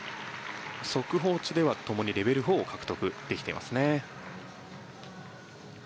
速報値ではともにレベル４を獲得できていますね。